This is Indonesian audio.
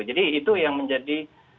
jadi itu yang menjadi